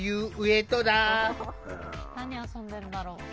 何遊んでんだろう。